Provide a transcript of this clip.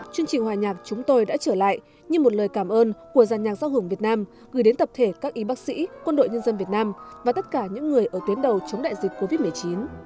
chương trình hòa nhạc chúng tôi đã trở lại như một lời cảm ơn của giàn nhạc giao hưởng việt nam gửi đến tập thể các y bác sĩ quân đội nhân dân việt nam và tất cả những người ở tuyến đầu chống đại dịch covid một mươi chín